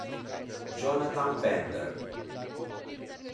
Jonathan Bender